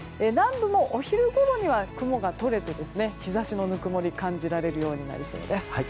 南部もお昼ごろには雲が取れて日差しのぬくもりを感じられるようになりそうです。